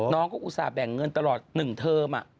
น้องก็อุตส่าห์แบ่งเงินตลอด๑เทอม